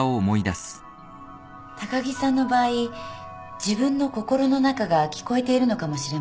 高木さんの場合自分の心の中が聞こえているのかもしれません。